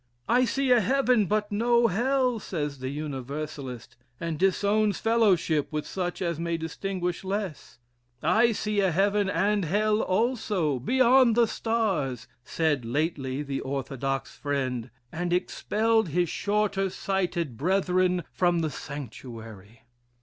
I see a heaven but no hell, says the Universalist, and disowns fellowship with such as may distinguish less. 'I see a heaven and hell also, beyond the stars,' said lately the Orthodox friend, and expelled his shorter sighted brethren from the sanctuary.